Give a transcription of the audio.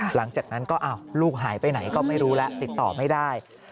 หลังจากนั้นก็อ้าวลูกหายไปไหนก็ไม่รู้แล้วติดต่อไม่ได้